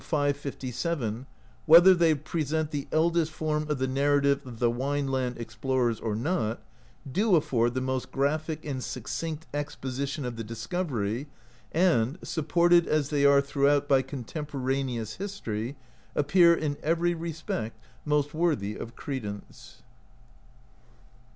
557, 4to, whether they present the eldest form of the narrative of the Wineland explorers or not, do afford the most graphic and succinct exposition of the discovery, and, supported as they are throughout by contemporaneous history, ap pear in every respect most worthy of credence.